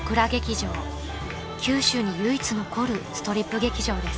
［九州に唯一残るストリップ劇場です］